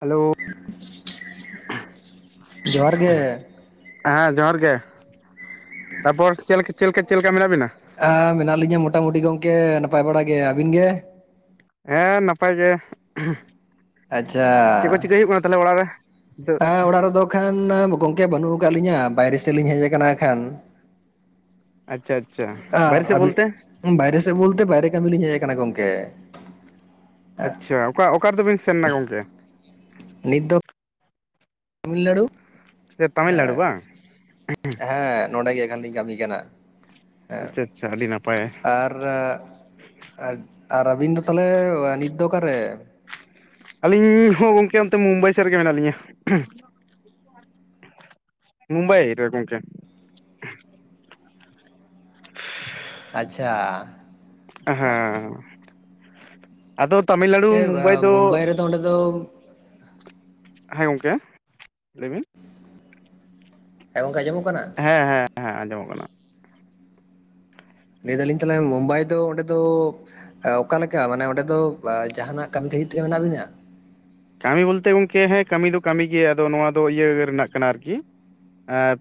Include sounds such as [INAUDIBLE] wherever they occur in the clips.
Hello ᱡᱚᱦᱟᱨ ᱜᱮ ᱦᱮᱸ ᱡᱚᱦᱟᱨ ᱜᱮ ᱛᱟᱯᱚᱨ ᱪᱮ ᱪᱮᱫ ᱞᱮᱠᱟ ᱪᱮᱫ ᱞᱮᱠᱟ ᱢᱮᱱᱟᱜ ᱵᱤᱱᱟ? ᱦᱮᱸ ᱢᱮᱱᱟᱜ ᱞᱤᱧᱟᱹ ᱢᱚᱴᱟᱢᱩᱴᱤ ᱜᱚᱝᱠᱮ ᱱᱟᱯᱟᱭ ᱵᱟᱲᱟ ᱜᱮ, ᱟᱹᱵᱤᱱ ᱜᱮ? ᱦᱮᱸ ᱱᱟᱯᱟᱭ ᱜᱮ᱾ ᱪᱮᱫ ᱠᱚ ᱟᱪᱪᱷᱟ ᱪᱤᱠᱟᱹ ᱦᱩᱭᱩᱜ ᱠᱟᱱᱟ ᱛᱟᱦᱚᱞᱮ ᱚᱲᱟᱜ ᱨᱮ? ᱱᱤᱛᱚᱜ ᱦᱮᱸ ᱚᱲᱟᱜ ᱨᱮᱫᱚ ᱟᱠᱷᱟᱱ ᱜᱚᱝᱠᱮ ᱵᱟᱹᱱᱩᱜ ᱟᱠᱟᱫ ᱞᱤᱧᱟᱹ ᱵᱟᱭᱨᱮ ᱥᱮᱫ ᱞᱤᱧ ᱦᱮᱡ ᱟᱠᱟᱱᱟ ᱟᱠᱷᱟᱱ᱾ ᱟᱪᱪᱷᱟ ᱟᱪᱪᱷᱟ ᱟᱨ ᱵᱟᱭᱨᱮ ᱥᱮᱫ ᱟᱹᱵᱤᱱ ᱵᱚᱞᱛᱮ ᱵᱟᱭᱨᱮ ᱥᱮᱫ ᱵᱚᱞᱛᱮ ᱵᱟᱭᱨᱮ ᱠᱟᱹᱢᱤ ᱞᱤᱧ ᱦᱮᱡ ᱟᱠᱟᱱᱟ ᱜᱚᱝᱠᱮ᱾ ᱟᱪᱪᱷᱟ ᱚᱠᱟ ᱚᱠᱟ ᱛᱮᱵᱤᱱ ᱥᱮᱱ ᱮᱱᱟ ᱜᱚᱢᱠᱮ? ᱱᱤᱛ ᱫᱚ ᱛᱟᱢᱤᱞᱱᱟᱲᱩ ᱛᱟᱢᱤᱞᱱᱟᱲᱩ ᱦᱮᱸ ᱵᱟᱝ ᱦᱮᱸ ᱱᱚᱰᱮ ᱜᱮ ᱟᱠᱷᱟᱱ ᱞᱤᱧ ᱠᱟᱹᱢᱤ ᱠᱟᱱᱟ ᱦᱮᱸ ᱟᱪᱪᱷᱟ ᱟᱪᱪᱷᱟ ᱟᱹᱰᱤ ᱱᱟᱯᱟᱭ ᱟᱨ ᱟᱨ ᱟᱹᱵᱤᱱ ᱫᱚ ᱛᱟᱦᱚᱞᱮ ᱱᱤᱛ ᱫᱚ ᱚᱠᱟᱨᱮ? ᱟᱹᱞᱤᱧ ᱦᱚᱸ ᱜᱚᱢᱠᱮ ᱚᱱᱛᱮ ᱢᱩᱢᱵᱟᱭ ᱥᱮᱫ ᱨᱮᱜᱮ ᱢᱮᱱᱟᱜ ᱞᱤᱧᱟᱹ᱾ ᱢᱩᱢᱵᱟᱭ [INAUDIBLE] ᱟᱪᱪᱷᱟ ᱦᱮᱸ ᱟᱫᱚ ᱛᱟᱢᱤᱞᱱᱟᱲᱩ ᱢᱩᱢᱵᱟᱭ ᱫᱚ ᱚᱸᱰᱮ ᱫᱚ ᱦᱮᱸ ᱜᱚᱢᱠᱮ ᱞᱟᱹᱭ ᱵᱤᱱ᱾ ᱦᱮᱸ ᱜᱚᱝᱠᱮ ᱟᱸᱡᱚᱢᱚᱜ ᱠᱟᱱᱟ ᱦᱮᱸ ᱦᱮᱸ ᱦᱮᱸ ᱟᱸᱡᱚᱢᱚᱜ ᱠᱟᱱᱟ᱾ ᱞᱟᱹᱭ ᱫᱟᱞᱤᱧ ᱛᱟᱦᱚᱞᱮ ᱢᱩᱢᱵᱟᱭ ᱫᱚ ᱚᱸᱰᱮ ᱫᱚ ᱚᱠᱟᱞᱮᱠᱟ ᱢᱟᱱᱮ ᱚᱸᱰᱮ ᱫᱚ ᱡᱟᱦᱟᱱᱟᱜ ᱠᱟᱹᱢᱤ ᱠᱷᱟᱹᱦᱤᱡ ᱛᱮᱜᱮ ᱢᱮᱱᱟᱜ ᱵᱤᱱᱟ ᱠᱟᱹᱢᱤ ᱵᱚᱞᱛᱮ ᱜᱚᱝᱠᱮ ᱦᱮᱸ ᱠᱟᱹᱢᱤ ᱫᱚ ᱠᱟᱹᱢᱤ ᱜᱮ ᱟᱫᱚ ᱱᱚᱣᱟ ᱫᱚ ᱤᱭᱟᱹ ᱨᱮᱱᱟᱜ ᱠᱟᱱᱟ ᱟᱨᱠᱤ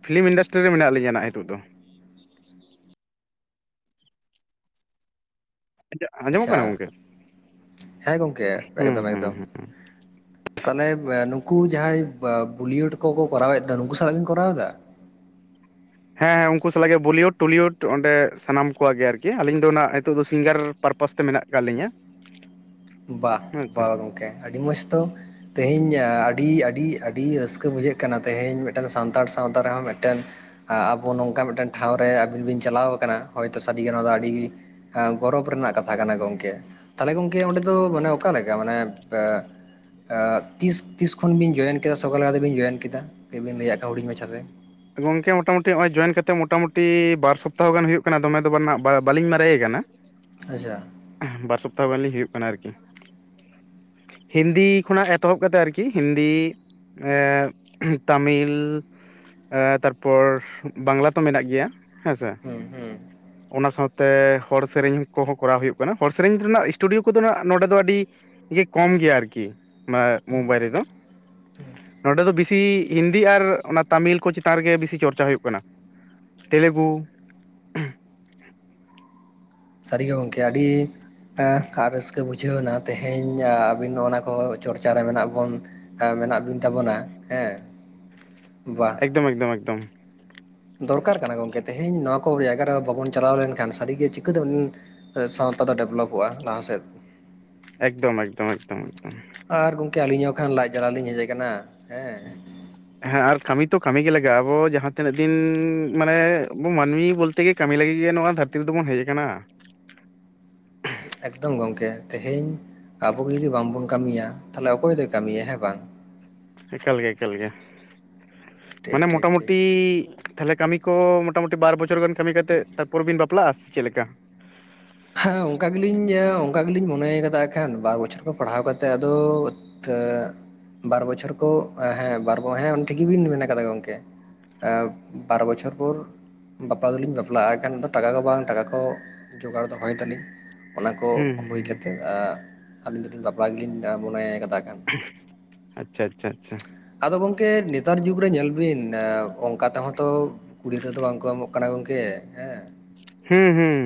ᱯᱷᱞᱤᱢ ᱤᱱᱰᱟᱥᱴᱨᱤ ᱨᱮ ᱢᱮᱱᱟᱜ ᱞᱤᱧᱟᱦᱟᱜ ᱱᱤᱛᱳᱜ ᱫᱚ᱾ ᱟᱸᱡᱚᱢᱚᱜ ᱟᱪᱪᱷᱟ ᱠᱟᱱᱟ ᱜᱚᱝᱠᱮ ᱦᱮᱸ ᱜᱚᱢᱠᱮ ᱦᱩᱸ ᱮᱠᱫᱚᱢ ᱦᱩᱸ ᱮᱠᱫᱚᱢ ᱦᱩᱸ ᱛᱟᱦᱚᱞᱮ ᱱᱩᱠᱩ ᱡᱟᱦᱟᱸᱭ ᱵᱚᱞᱤᱭᱩᱰ ᱠᱚᱠᱚ ᱠᱚᱨᱟᱣ ᱮᱫ ᱫᱚ ᱱᱩᱠᱩ ᱥᱟᱞᱟᱜ ᱵᱤᱱ ᱠᱚᱨᱟᱣ ᱫᱟ? ᱦᱮᱸ ᱦᱮᱸ ᱩᱱᱠᱩ ᱥᱟᱞᱟᱜ ᱜᱮ ᱵᱚᱞᱤᱣᱩᱰ ᱴᱚᱞᱤᱣᱩᱰ ᱚᱸᱰᱮ ᱥᱟᱱᱟᱢ ᱠᱚᱣᱟᱜ ᱜᱮ ᱟᱨᱠᱤ ᱟᱹᱞᱤᱧ ᱫᱚ ᱚᱱᱟ ᱱᱤᱛᱚᱜ ᱫᱚ ᱥᱤᱝᱜᱟᱨ ᱯᱟᱨᱯᱟᱥ ᱛᱮ ᱢᱮᱱᱟᱜ ᱠᱟᱫ ᱞᱤᱧᱟᱹ ᱵᱟ ᱟᱪᱪᱷᱟ ᱵᱟ ᱜᱚᱝᱠᱮ ᱟᱹᱰᱤ ᱢᱚᱸᱡᱽ ᱛᱚ ᱛᱮᱦᱤᱧ ᱟᱹᱰᱤ ᱟᱹᱰᱤ ᱟᱹᱰᱤ ᱨᱟᱹᱥᱠᱟᱹ ᱵᱩᱡᱷᱟᱹᱜ ᱠᱟᱱᱟ ᱛᱮᱦᱤᱧ ᱢᱤᱫᱴᱮᱱ ᱥᱟᱱᱛᱟᱲ ᱥᱟᱶᱛᱟ ᱨᱮᱦᱚᱸ ᱢᱤᱫᱴᱮᱱ ᱟᱵᱚ ᱱᱚᱝᱠᱟ ᱢᱤᱫᱴᱮᱱ ᱴᱷᱟᱶ ᱨᱮ ᱟᱹᱵᱤᱱ ᱵᱤᱱ ᱪᱟᱞᱟᱣ ᱟᱠᱟᱱᱟ ᱦᱚᱭᱛᱳ ᱥᱟᱹᱨᱤ ᱜᱮ ᱱᱚᱣᱟ ᱫᱚ ᱟᱹᱰᱤ ᱜᱚᱨᱚᱵ ᱨᱮᱱᱟᱜ ᱠᱟᱛᱷᱟ ᱠᱟᱱᱟ, ᱜᱚᱝᱠᱮ ᱛᱟᱦᱚᱞᱮ ᱜᱚᱝᱠᱮ ᱚᱸᱰᱮ ᱫᱚ ᱢᱟᱱᱮ ᱚᱠᱟᱞᱮᱠᱟ ᱢᱟᱱᱮ ᱛᱤᱥ ᱛᱤᱥ ᱠᱷᱚᱱ ᱵᱤᱱ ᱡᱚᱭᱮᱱ ᱠᱮᱫᱟ ᱥᱚᱠᱟᱞ ᱞᱮᱠᱟ ᱛᱮᱵᱤᱱ ᱡᱚᱭᱮᱱ ᱠᱮᱫᱟ ᱟᱹᱵᱤᱱ ᱞᱟᱹᱭᱟ ᱦᱩᱰᱤᱧ ᱢᱟᱪᱷᱟ ᱛᱮ᱾ ᱜᱚᱝᱠᱮ ᱢᱚᱴᱟ ᱢᱩᱴᱤ ᱱᱚᱜ ᱚᱚᱭ ᱡᱚᱭᱮᱱ ᱠᱟᱛᱮᱜ ᱢᱚᱴᱟᱢᱩᱴᱤ ᱵᱟᱨ ᱥᱚᱯᱛᱟᱦᱚ ᱜᱟᱱ ᱦᱩᱭᱩᱜ ᱠᱟᱱᱟ ᱫᱚᱢᱮ ᱫᱚ ᱵᱟᱝ ᱵᱟᱞᱤᱧ ᱢᱟᱨᱮ ᱠᱟᱱᱟ᱾ [UNINTELLIGIBLE] ᱟᱪᱪᱷᱟ ᱵᱟᱨ ᱥᱚᱯᱛᱟᱦᱚ ᱜᱟᱱ ᱞᱤᱧ ᱦᱩᱭᱩᱜ ᱠᱟᱱᱟ ᱟᱨᱠᱤ᱾ ᱦᱤᱱᱫᱤ ᱠᱷᱚᱱᱟᱜ ᱮᱛᱚᱦᱚᱵ ᱠᱟᱛᱮ ᱟᱨᱠᱤ ᱦᱤᱱᱫᱤ ᱮ ᱛᱟᱢᱤᱞ ᱮᱸ ᱛᱟᱨᱯᱚᱨ ᱵᱟᱝᱞᱟ ᱛᱚ ᱢᱮᱱᱟᱜ ᱜᱮᱭᱟ᱾ ᱦᱮᱸ ᱥᱮ ᱦᱩᱸ ᱦᱩᱸ ᱚᱱᱟ ᱥᱟᱶᱛᱮ ᱦᱚᱲ ᱥᱮᱨᱮᱧ ᱠᱚᱦᱚᱸ ᱠᱚᱨᱟᱣ ᱦᱩᱭᱩᱜ ᱠᱟᱱᱟ, ᱦᱚᱲ ᱥᱮᱨᱮᱧ ᱨᱮᱱᱟᱜ ᱥᱴᱩᱰᱤᱭᱳ ᱠᱚᱫᱚ ᱱᱟᱜ ᱱᱚᱰᱮ ᱫᱚ ᱟᱹᱰᱤ ᱠᱚᱢ ᱜᱮᱭᱟ ᱟᱨᱠᱤ ᱚᱱᱟ ᱢᱚᱢᱵᱟᱭ ᱨᱮᱫᱚ ᱱᱚᱰᱮ ᱫᱚ ᱵᱤᱥᱤ ᱦᱤᱱᱫᱤ ᱟᱨ ᱚᱱᱟ ᱛᱟᱢᱤᱞ ᱠᱚ ᱪᱮᱛᱟᱱ ᱨᱮᱜᱮ ᱵᱤᱥᱤ ᱪᱚᱨᱪᱟ ᱦᱩᱭᱩᱜ ᱠᱟᱱᱟ ᱛᱮᱞᱮᱜᱩ ᱥᱟᱹᱨᱤ ᱜᱮ ᱜᱚᱢᱠᱮ ᱟᱹᱰᱤ ᱨᱟᱹᱥᱠᱟᱹ ᱵᱩᱡᱷᱟᱹᱣᱱᱟ ᱛᱮᱦᱮᱧ ᱟᱵᱤᱱ ᱱᱚ ᱚᱱᱟ ᱠᱚ ᱪᱚᱨᱪᱟᱨ ᱨᱮ ᱢᱮᱱᱟᱜ ᱵᱚᱱ ᱦᱮᱸ ᱢᱮᱱᱟᱜ ᱵᱤᱱ ᱛᱟᱵᱚᱱᱟ ᱦᱮᱸ ᱮᱠᱫᱚᱢ ᱮᱠᱫᱚᱢ ᱮᱠᱫᱚᱢ ᱫᱚᱨᱠᱟᱨ ᱠᱟᱱᱟ ᱜᱚᱢᱠᱮ ᱛᱮᱦᱮᱧ ᱱᱚᱣᱟ ᱠᱚ ᱡᱟᱭᱜᱟ ᱨᱮ ᱵᱟᱵᱚᱱ ᱪᱟᱞᱟᱣ ᱞᱮᱱᱠᱷᱟᱱ ᱥᱟᱹᱨᱤ ᱜᱮ ᱪᱤᱠᱟᱹ [UNINTELLIGIBLE] ᱥᱟᱶᱛᱟ ᱫᱚ ᱰᱮᱵᱷᱞᱚᱯᱚᱜ-ᱟ ᱞᱟᱦᱟ ᱥᱮᱫ ᱮᱠᱫᱚᱢ ᱮᱠᱫᱚᱢ ᱮᱠᱫᱚᱢ ᱮᱠᱫᱚᱢ [UNINTELLIGIBLE] ᱟᱹᱞᱤᱧᱚᱜ ᱠᱷᱟᱱ ᱞᱟᱡ ᱡᱟᱞᱟ ᱞᱤᱧ ᱦᱮᱡ ᱠᱟᱱᱟ ᱦᱮᱸ ᱦᱮᱸ ᱟᱨ ᱠᱟᱹᱢᱤ ᱛᱚ ᱠᱟᱹᱢᱤ ᱜᱮ ᱞᱟᱜᱟᱜ-ᱟ ᱟᱵᱚ ᱡᱟᱦᱟᱸ ᱛᱤᱱᱟᱹᱜ ᱫᱤᱱ ᱢᱟᱱᱮ ᱟᱵᱚ ᱢᱟᱹᱱᱢᱤ ᱵᱚᱞᱛᱮ ᱜᱮ ᱠᱟᱹᱢᱤ ᱞᱟᱹᱜᱤᱫ ᱜᱮ ᱱᱚᱣᱟ ᱫᱷᱟᱹᱨᱛᱤ ᱨᱮᱫᱚ ᱵᱚᱱ ᱦᱮᱡ ᱠᱟᱱᱟ ᱮᱠᱫᱚᱢ ᱜᱚᱝᱠᱮ ᱛᱮᱦᱮᱧ ᱟᱵᱚ ᱡᱩᱫᱤ ᱵᱟᱝᱵᱚᱱ ᱠᱟᱹᱢᱤᱭᱟ ᱛᱟᱦᱚᱞᱮ ᱚᱠᱚᱭ ᱫᱚᱭ ᱠᱟᱹᱢᱤᱭᱟ ᱦᱮᱸ ᱵᱟᱝ ᱮᱠᱟᱞ ᱜᱮ ᱮᱠᱟᱞ ᱜᱮ ᱴᱷᱤᱠ ᱢᱟᱱᱮ ᱢᱚᱴᱟ ᱴᱷᱤᱠ ᱴᱷᱤᱠ ᱢᱩᱴᱤ ᱛᱟᱦᱚᱞᱮ ᱠᱟᱹᱢᱤ ᱠᱚ ᱢᱚᱴᱟ ᱢᱩᱴᱤ ᱵᱟᱨ ᱵᱚᱪᱷᱚᱨ ᱜᱟᱱ ᱠᱟᱹᱢᱤ ᱠᱟᱛᱮᱫ ᱛᱟᱨᱯᱚᱨ ᱵᱤᱱ ᱵᱟᱯᱞᱟᱜ-ᱟ ᱥᱮ ᱪᱮᱫ ᱞᱮᱠᱟ ᱦᱮᱸ ᱚᱱᱠᱟ ᱜᱮ ᱞᱤᱧ ᱚᱱᱠᱟ ᱜᱮ ᱞᱤᱧ ᱢᱚᱱᱮᱭ ᱠᱟᱫᱟ ᱮᱠᱷᱟᱱ ᱵᱟᱨ ᱵᱚᱪᱷᱚᱨ ᱠᱷᱚᱱ ᱯᱟᱲᱦᱟᱣ ᱠᱟᱛᱮᱫ ᱟᱫᱚ ᱛᱚ ᱵᱟᱨ ᱵᱚᱪᱷᱚᱨ ᱠᱚ ᱦᱮᱸ ᱵᱟᱨ ᱦᱮᱸ ᱩᱱᱤ ᱴᱷᱮᱱ ᱜᱮᱵᱤᱱ ᱢᱮᱱ ᱠᱟᱫᱟ ᱜᱚᱝᱠᱮ ᱵᱟᱨ ᱵᱚᱪᱷᱚᱨ ᱯᱚᱨ ᱵᱟᱯᱞᱟ ᱫᱚᱞᱤᱧ ᱵᱟᱯᱞᱟᱜ-ᱟ ᱮᱱᱠᱷᱟᱱ ᱫᱚ ᱴᱟᱠᱟ ᱠᱚ ᱵᱟᱝ ᱴᱟᱠᱟ ᱠᱚ ᱡᱚᱜᱟᱲ ᱫᱚᱦᱚᱭ ᱫᱟᱞᱤᱧ ᱚᱱᱟ ᱠᱚ ᱦᱩᱸ ᱦᱩᱭ ᱦᱩᱸ ᱦᱩᱸ ᱠᱟᱛᱮᱫ ᱟᱻ ᱟᱹᱞᱤᱧ ᱫᱚ ᱞᱤᱧ ᱵᱟᱯᱞᱟ ᱜᱮᱞᱤᱧ ᱢᱚᱱᱮᱭᱟ ᱠᱟᱛᱷᱟ ᱠᱟᱱ ᱟᱪᱪᱷᱟ ᱟᱪᱪᱷᱟ ᱟᱪᱪᱷᱟ ᱟᱫᱚ ᱜᱚᱝᱠᱮ ᱱᱮᱛᱟᱨ ᱡᱩᱜᱽ ᱨᱮ ᱧᱮᱞ ᱵᱤᱱ ᱚᱱᱠᱟ ᱛᱮᱦᱚᱸ ᱛᱚᱼᱼ ᱠᱩᱲᱤ ᱛᱮᱫᱚ ᱵᱟᱝ ᱠᱚ ᱮᱢᱚᱜ ᱠᱟᱱᱟ ᱜᱚᱝᱠᱮ ᱦᱮᱸ ᱦᱩᱸ ᱦᱩᱸ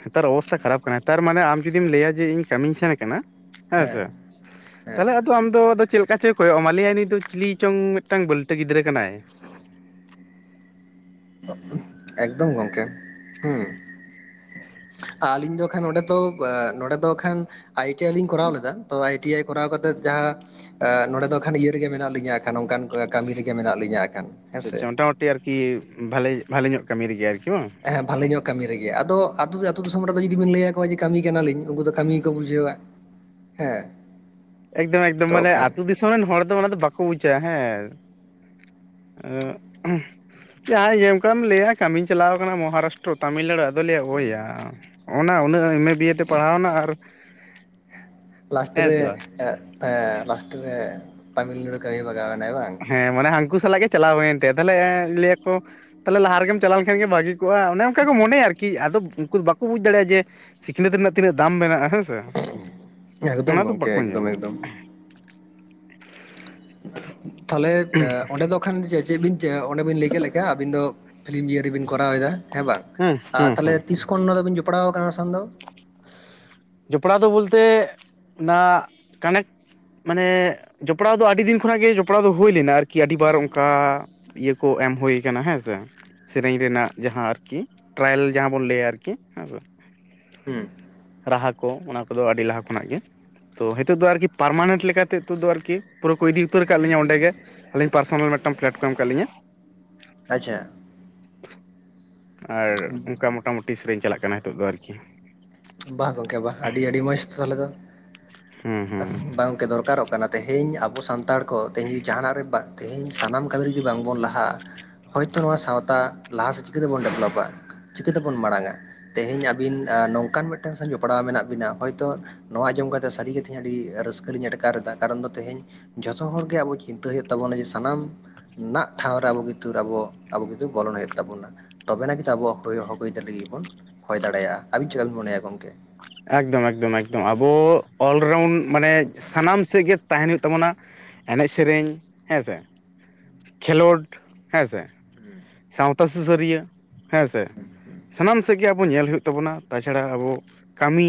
ᱱᱮᱛᱟᱨ ᱚᱵᱚᱥᱛᱟ ᱠᱷᱟᱨᱟᱯ ᱠᱟᱱᱟ ᱛᱟᱨᱢᱟᱱ ᱮ ᱟᱢ ᱡᱩᱫᱤᱢ ᱞᱟᱹᱭᱟ ᱡᱮ ᱤᱧ ᱠᱟᱹᱢᱤᱧ ᱥᱮᱱ ᱟᱠᱟᱱᱟ᱾ ᱦᱮᱸ ᱥᱮ ᱦᱮᱸ ᱛᱟᱦᱚᱞᱮ ᱟᱫᱚ ᱟᱢ ᱫᱚ ᱟᱫᱚ ᱪᱮᱫ ᱞᱮᱠᱟ ᱪᱚᱭ ᱠᱚᱭᱚᱜᱼᱟ ᱢᱟ ᱞᱟᱭᱼᱟᱭ ᱱᱩᱭ ᱫᱚ ᱪᱤᱞᱤ ᱪᱚᱝ ᱢᱤᱫᱴᱟᱝ ᱵᱟᱹᱞᱴᱟᱹ ᱜᱤᱫᱽᱨᱟᱹ ᱠᱟᱱᱟᱭ᱾ ᱮᱠᱫᱚᱢ ᱜᱚᱢᱠᱮ ᱦᱮᱸ ᱟᱹᱞᱤᱧ ᱫᱚ ᱠᱷᱟᱱ ᱱᱚᱸᱰᱮ ᱫᱚ ᱱᱚᱸᱰᱮ ᱫᱚ ᱠᱷᱟᱱ ᱟᱭ ᱴᱤ ᱟᱭ ᱞᱤᱧ ᱠᱚᱨᱟᱣ ᱞᱮᱫᱟ ᱛᱚ ᱟᱭ ᱴᱤ ᱟᱭ ᱠᱚᱨᱟᱣ ᱠᱟᱛᱮᱜ ᱡᱟᱦᱟᱸᱼᱼ ᱮ ᱱᱚᱸᱰᱮ ᱫᱚ ᱠᱷᱟᱱ ᱤᱭᱟᱹ ᱨᱮᱜᱮ ᱢᱮᱱᱟᱜ ᱞᱤᱧᱟ ᱠᱷᱟᱱ ᱱᱚᱝᱠᱟᱱ ᱠᱟᱹᱢᱤ ᱨᱮᱜᱮ ᱢᱮᱱᱟᱜ ᱞᱤᱧᱟᱹ ᱠᱷᱟᱱ ᱟᱪᱪᱷᱟ ᱦᱮᱸᱥᱮ ᱟᱪᱪᱷᱟ ᱢᱚᱴᱟᱢᱩᱴᱤ ᱟᱨᱠᱤ ᱵᱷᱟᱞᱮ ᱵᱷᱟᱞᱮ ᱧᱚᱜ ᱠᱟᱹᱢᱤ ᱨᱮᱜᱮᱭᱟ ᱟᱨᱠᱤ ᱵᱟᱝ? ᱦᱮᱸ ᱵᱷᱟᱞᱞᱤ ᱧᱚᱜ ᱠᱟᱹᱢᱤ ᱨᱮᱜᱮ ᱟᱫᱚ ᱟᱹᱛᱩ ᱟᱹᱛᱩ ᱫᱤᱥᱚᱢ ᱨᱮᱫᱚ ᱡᱩᱫᱤ ᱵᱤᱱ ᱞᱟᱹᱭᱟ ᱠᱚᱣᱟ ᱡᱮ ᱠᱟᱹᱢᱤ ᱠᱟᱱᱟ ᱞᱤᱧ ᱩᱱᱠᱩ ᱫᱚ ᱠᱟᱹᱢᱤ ᱜᱮᱠᱚ ᱵᱩᱡᱷᱟᱹᱣᱟ᱾ ᱦᱮᱸ ᱮᱠᱫᱚᱢ ᱮᱠᱫᱚᱢ ᱛᱚ ᱢᱟᱱᱮ ᱠᱷᱟᱱ ᱟᱹᱛᱩ ᱫᱤᱥᱚᱢ ᱨᱮᱱ ᱦᱚᱲ ᱫᱚ ᱚᱱᱟ ᱫᱚ ᱵᱟᱠᱚ ᱵᱩᱡᱟ ᱦᱮᱸᱼᱼ [UNINTELLIGIBLE] ᱡᱟᱦᱟᱸ [UNINTELLIGIBLE] ᱞᱟᱹᱭᱟ ᱠᱟᱹᱢᱤᱧ ᱪᱟᱞᱟᱣ ᱟᱠᱟᱱᱟ ᱢᱚᱦᱟᱨᱟᱥᱴᱨᱚ ᱛᱟᱢᱤᱞᱱᱟᱲᱩ ᱟᱫᱚᱭ ᱞᱟᱭᱟ ᱦᱚᱭᱼᱟ ᱦᱚᱜ ᱱᱟ ᱩᱱᱟᱹᱜ ᱮᱢ ᱮ ᱵᱤᱭᱮ ᱛᱮ ᱯᱟᱲᱦᱟᱣ ᱮᱱᱟ ᱟᱨᱼᱼ ᱞᱟᱥᱴ ᱨᱮ ᱞᱟᱥᱴ ᱨᱮ ᱛᱟᱢᱤᱞᱱᱟᱲᱩ ᱠᱟᱹᱢᱤ ᱵᱟᱜᱟᱣᱱᱟᱭ ᱵᱟᱝ, ᱦᱮᱸ ᱢᱟᱱᱮ ᱦᱟᱹᱱᱠᱩ ᱥᱟᱞᱟᱜ ᱜᱮ ᱪᱟᱞᱟᱣ ᱦᱩᱭᱮᱱ ᱛᱟᱭᱟ ᱛᱟᱦᱞᱮ ᱞᱟᱹᱭᱟ ᱠᱚ ᱛᱟᱦᱚᱞᱮ ᱞᱟᱦᱟ ᱨᱮᱜᱮᱢ ᱪᱟᱞᱟᱣ ᱞᱮᱱ ᱠᱷᱟᱱ ᱜᱮ ᱵᱷᱟᱹᱜᱤᱼᱼ ᱚᱱᱮ ᱚᱱᱠᱟ ᱜᱮ ᱢᱚᱱᱮᱭᱟ ᱟᱨᱠᱤ ᱟᱫᱚ ᱩᱱᱠᱩ ᱫᱚ ᱵᱟᱠᱚ ᱵᱩᱡ ᱫᱟᱲᱮᱭᱟᱜᱼᱟ ᱥᱤᱠᱷᱱᱟᱹᱛ ᱨᱮᱱᱟᱜ ᱛᱤᱱᱟᱹᱜ ᱫᱟᱢ ᱢᱮᱱᱟᱜᱼᱟ᱾ [UNINTELLIGIBLE] ᱚᱱᱟ ᱮᱠᱫᱚᱢ ᱫᱚ ᱜᱚᱢᱠᱮ ᱵᱟᱠᱚ ᱮᱠᱫᱚᱢ ᱧᱮᱞᱟ᱾ ᱮᱠᱫᱚᱢ ᱛᱟᱦᱚᱞᱮ ᱚᱸᱰᱮ ᱫᱚᱼᱼ ᱠᱷᱟᱱ ᱪᱮᱫ ᱪᱮᱫ ᱵᱤᱱ ᱪᱮᱫ ᱚᱸᱰᱮ ᱵᱤᱱ ᱞᱟᱹᱭ ᱠᱮᱫ ᱞᱮᱠᱟᱭᱟ ᱟᱵᱤᱱ ᱫᱚ ᱯᱷᱤᱞᱤᱢ ᱡᱤᱭᱟᱹ ᱨᱮᱵᱤᱱ ᱠᱚᱨᱟᱣ ᱮᱫᱟ ᱦᱮᱸ ᱵᱟᱝ? ᱟᱨ ᱦᱮᱸ ᱛᱟᱦᱞᱮ ᱦᱮᱸ ᱛᱤᱥ ᱠᱷᱚᱱ ᱱᱚᱣᱟ ᱫᱚᱵᱤᱱ ᱡᱚᱯᱲᱟᱣ ᱟᱠᱟᱱᱟ ᱱᱚᱣᱟ ᱥᱟᱝ ᱫᱚ? ᱡᱚᱯᱲᱟᱣ ᱫᱚ ᱵᱚᱞᱛᱮ ᱚᱱᱟ ᱠᱟᱱᱮᱠᱴ ᱢᱟᱱᱮ ᱡᱚᱯᱲᱟᱣ ᱫᱚ ᱟᱹᱰᱤ ᱫᱤᱱ ᱠᱷᱚᱱᱟᱜ ᱜᱮ ᱡᱚᱯᱲᱟᱣ ᱫᱚ ᱦᱩᱭ ᱞᱮᱱᱟ ᱟᱨᱠᱤ ᱟᱹᱰᱤ ᱵᱟᱨ ᱚᱱᱠᱟ᱾ ᱤᱭᱟᱹ ᱠᱚ ᱮᱢ ᱦᱩᱭᱩ ᱠᱟᱱᱟ ᱦᱮᱸᱥᱮ ᱥᱮᱨᱮᱧ ᱨᱮᱱᱟᱜ ᱡᱟᱦᱟᱸ ᱟᱨᱠᱤ ᱴᱨᱟᱭᱮᱞ ᱡᱟᱦᱟᱸ ᱵᱚᱱ ᱞᱟᱹᱭᱟ ᱟᱨᱠᱤ ᱦᱮ ᱦᱮᱸ ᱨᱟᱦᱟ ᱠᱚ ᱚᱱᱟ ᱠᱚᱫᱚ ᱟᱹᱰᱤ ᱞᱟᱦᱟ ᱠᱷᱚᱱᱟᱜ ᱜᱮᱼᱼ ᱛᱚ ᱱᱤᱛᱳᱜ ᱫᱚ ᱟᱨᱠᱤ ᱯᱟᱨᱢᱟᱱᱮᱱᱴ ᱞᱮᱠᱟ ᱛᱮ ᱱᱤᱛᱚᱜ ᱫᱚ ᱟᱨᱠᱤ ᱯᱩᱨᱟᱹ ᱠᱚ ᱤᱫᱤ ᱩᱛᱟᱹᱨ ᱠᱟᱜ ᱞᱤᱧᱟ ᱚᱸᱰᱮ ᱜᱮ᱾ ᱟᱹᱞᱤᱧ ᱯᱟᱨᱥᱳᱱᱟᱞ ᱢᱤᱫᱴᱟᱱ ᱯᱞᱟᱴ ᱠᱚ ᱟᱢ ᱟᱠᱟᱫ ᱞᱤᱧᱟ᱾ ᱟᱪᱪᱷᱟ ᱟᱨ ᱚᱱᱠᱟ ᱢᱚᱴᱟ ᱢᱩᱴᱤ ᱥᱮᱨᱮᱧ ᱪᱟᱞᱟᱜ ᱠᱟᱱᱟ ᱱᱤᱛᱚᱜ ᱫᱚ ᱟᱨᱠᱤ᱾ ᱵᱟ ᱜᱚᱝᱠᱮ ᱵᱟ ᱟᱹᱰᱤ ᱟᱹᱰᱤ ᱢᱚᱸᱡᱽ ᱛᱟᱦᱚᱞᱮ ᱫᱚ ᱦᱩᱸ ᱦᱩᱸ ᱵᱟᱝ ᱜᱚᱝᱠᱮ ᱫᱚᱨᱠᱟᱨ ᱚᱜ ᱠᱟᱱᱟ᱾ ᱛᱮᱦᱮᱧ ᱟᱵᱚ ᱥᱟᱱᱛᱟᱲ ᱠᱚ ᱛᱮᱦᱤᱧ ᱡᱩᱫᱤ ᱡᱟᱦᱟᱱᱟᱜ ᱨᱮ ᱛᱮᱦᱤᱧ ᱥᱟᱱᱟᱢ ᱠᱟᱹᱢᱤ ᱡᱩᱫᱤ ᱵᱟᱝ ᱵᱚᱱ ᱞᱟᱦᱟᱜᱼᱟ᱾ ᱦᱚᱭ ᱛᱚ ᱱᱚᱣᱟ ᱥᱟᱶᱛᱟ, ᱞᱟᱦᱟ ᱥᱮᱫ ᱪᱤᱠᱟᱹᱛᱮᱵᱚᱱ ᱰᱮᱵᱷᱞᱚᱯᱟ ᱪᱤᱠᱟᱹᱛᱮᱵᱚᱱ ᱢᱟᱲᱟᱝᱟ ᱛᱮᱦᱮᱧ ᱟᱵᱤᱱᱼᱼ ᱚᱱᱠᱟᱱ ᱢᱤᱫᱴᱟᱝ ᱥᱮᱱ ᱡᱚᱯᱲᱟᱣ ᱢᱮᱱᱟᱜ ᱵᱤᱱᱟ ᱦᱳᱭ ᱛᱚ ᱱᱚᱣᱟ ᱟᱸᱡᱚᱢ ᱠᱟᱛᱮᱮᱫ ᱥᱟᱹᱨᱤᱜᱮ ᱛᱮᱦᱤᱧ ᱟᱹᱰᱤ ᱨᱟᱹᱥᱠᱟᱹᱞᱤᱤᱧ ᱟᱴᱠᱟᱨ ᱮᱟ ᱠᱟᱨᱚᱱ ᱫᱚ ᱛᱮᱦᱮᱧ ᱡᱚᱛᱚ ᱦᱚᱲᱜᱮ ᱟᱵᱚ ᱪᱤᱱᱛᱟᱹ ᱦᱩᱭᱩᱜ ᱛᱟᱵᱚᱱᱟ ᱡᱮ ᱥᱟᱱᱟᱢᱼᱼ ᱱᱟᱜ ᱴᱷᱟᱶ ᱨᱮ ᱟᱵᱚ ᱠ ᱟᱵᱚ ᱟᱵᱚ ᱠ ᱵᱚᱞᱚᱱ ᱦᱩᱭᱩᱜ ᱛᱟᱵᱚᱱᱟ᱾ ᱛᱚᱵᱮᱱᱟᱜ ᱠᱛᱩ ᱟᱵᱚᱣᱟᱜ ᱦᱚ ᱦᱚᱠ ᱭᱤᱫᱟᱹᱨ ᱞᱟᱹᱜᱤᱫ ᱵᱚᱱ ᱦᱚᱭ ᱫᱟᱲᱮᱭᱟᱜᱼᱟ ᱟᱵᱤᱱ ᱪᱮᱠᱟ ᱞᱱ ᱢᱚᱱᱮᱭᱟ ᱜᱚᱝᱠᱮ? ᱮᱠᱫᱚᱢ ᱮᱠᱫᱚᱢ ᱮᱠᱫᱚᱢ ᱟᱵᱚ ᱚᱞᱨᱟᱣᱩᱱᱰ ᱢᱟᱱᱮ ᱥᱟᱱᱟᱢ ᱥᱮᱫ ᱜᱮᱼᱼ ᱛᱟᱦᱮᱱ ᱞᱮᱱ ᱛᱟᱵᱚᱱᱟ ᱮᱱᱮᱡ ᱥᱮᱨᱮᱧ ᱦᱮᱸ ᱥᱮ ᱠᱷᱮᱞᱳᱰ ᱦᱮᱸ ᱥᱮᱼᱼ ᱥᱟᱶᱛᱟ ᱥᱩᱥᱟᱹᱨᱤᱭᱟᱹ ᱦᱮᱸ ᱥᱮ ᱼᱼ ᱥᱟᱱᱟᱢ ᱥᱮᱫ ᱜᱮ ᱟᱵᱚ ᱧᱮᱞ ᱦᱩᱭᱩᱜ ᱛᱟᱵᱚᱱᱟ, ᱛᱟᱪᱷᱟᱲᱟ ᱟᱵᱚ ᱠᱟᱹᱢᱤᱼᱼ